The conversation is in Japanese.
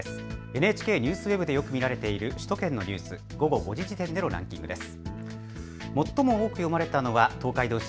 ＮＨＫＮＥＷＳＷＥＢでよく見られている首都圏のニュース午後５時時点でのランキングです。